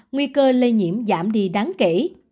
nguy cơ lây nhiễm giảm đi đáng kể